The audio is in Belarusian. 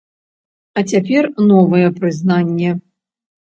А цяпер новае прызнанне.